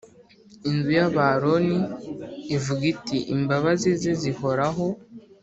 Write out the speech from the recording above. Inzu y aba Aroni ivuge iti Imbabazi ze zihoraho